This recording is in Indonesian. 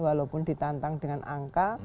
walaupun ditantang dengan angka